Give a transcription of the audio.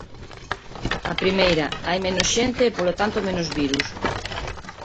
A primeira, hai menos xente e polo tanto menos virus.